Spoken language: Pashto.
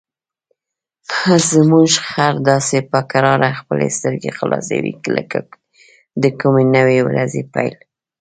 زموږ خر داسې په کراره خپلې سترګې خلاصوي لکه د کومې نوې ورځې پیل.